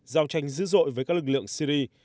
giao tranh dữ dội với các lực lượng siri